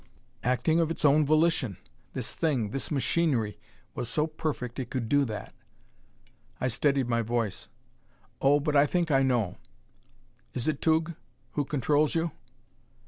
Acting of its own volition! This thing this machinery was so perfect it could do that! I steadied my voice. "Oh, but I think I know. Is it Tugh who controls you?"